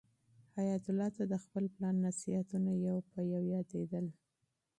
حیات الله ته د خپل پلار نصیحتونه یو په یو یادېدل.